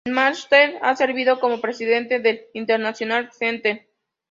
En Mánchester ha servido como presidente del International Center.